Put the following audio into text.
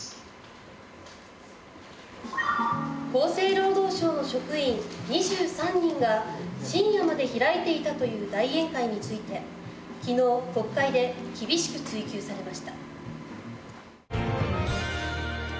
「厚生労働省の職員２３人が深夜まで開いていたという大宴会について昨日国会で厳しく追及されました」